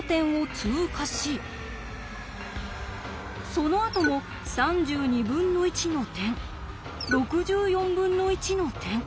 そのあとも３２分の１の点６４分の１の点。